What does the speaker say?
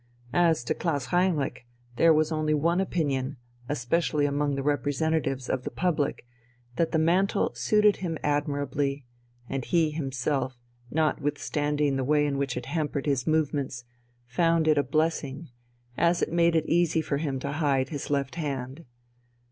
As to Klaus Heinrich, there was only one opinion, especially among the representatives of the public, that the mantle suited him admirably, and he himself, notwithstanding the way in which it hampered his movements, found it a blessing, as it made it easy for him to hide his left hand.